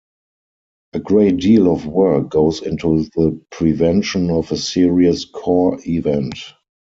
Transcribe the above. A great deal of work goes into the prevention of a serious core event.